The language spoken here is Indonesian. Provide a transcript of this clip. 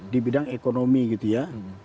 di bidang ekonomi gitu ya